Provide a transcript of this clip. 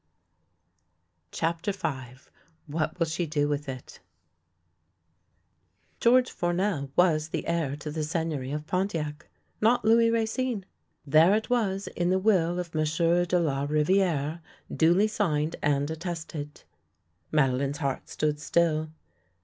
CHAPTER V WHAT WILL SHE DO WITH IT? GEORGE FOURNEL was the heir to the Sei gneury of Pontiac, not Louis Racine. There it was in the will of M. de la Riviere, duly signed and at tested. Madelinette's heart stood still.